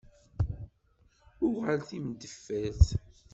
UƔal timendeffert!